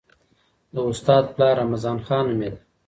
د استاد پلار رمضان خان نومېده.